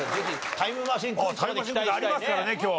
タイムマシンありますからね今日。